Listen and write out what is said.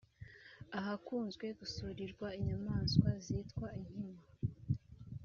ahakunze gusurirwa inyamanswa zitwa inkima